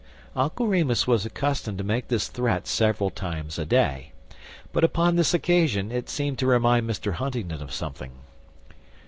Uncle Remus was accustomed to make this threat several times a day, but upon this occasion it seemed to remind Mr. Huntingdon of something.